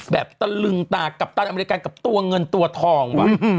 แบบตะลึงตากับตัวเงินตัวทอง